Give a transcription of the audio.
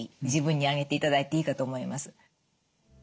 自分にあげていただいていいかと思います。